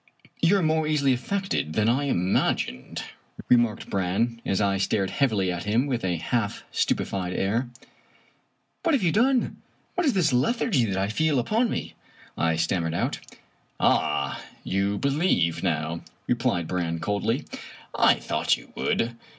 " You are more easily affected than I imagined," re marked Brann, as I stared heavily at him with a half stu pefied air. " What have you done? What is this lethargy that I feel upon me?" I stammered out. "Ah I you believe now," replied Brann coldly; "I thought you would.